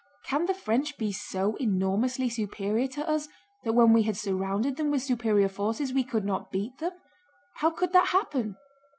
Can the French be so enormously superior to us that when we had surrounded them with superior forces we could not beat them? How could that happen?